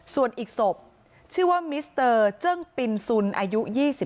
ส่วนอีกศพชื่อว่ามิสเตอร์เจิ้งปินซุนอายุ๒๓